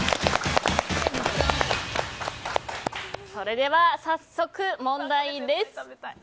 それでは早速問題です。